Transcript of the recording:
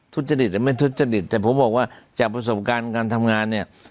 ทุจจฤทธิษฐ์หรือไม่ทุจจฤทธิษฐ์แต่ผมบอกว่าจากประสบการณ์การทำงานเนี่ย